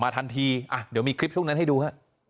สัตว์ทางจ่ายเกียรติมั้ยลูก